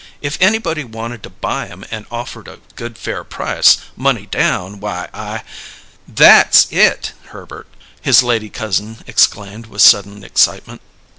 If anybody wanted to buy 'em and offered a good fair price, money down, why, I " "That's it, Herbert!" his lady cousin exclaimed with sudden excitement.